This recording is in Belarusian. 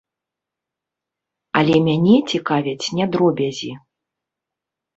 Але мяне цікавяць не дробязі.